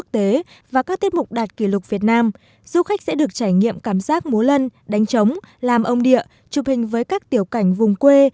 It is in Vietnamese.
cảm giác múa lân đánh trống làm ông địa chụp hình với các tiểu cảnh vùng quê